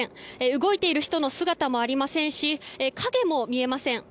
動いている人の姿もありませんし影も見えません。